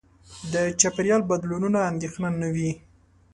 د چاپېریال بدلونونو اندېښنه نه وي.